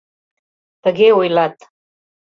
Тыге ойлат.